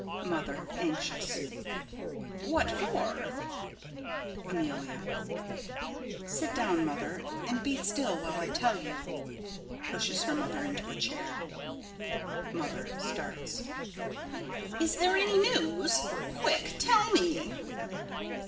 Mother: [Anxious.] What for? Amelia: Sit down, Mother, and be still while I tell you [Pushes her mother into a chair.] Mother: [Starts.] Is there any news? Quick! Tell me!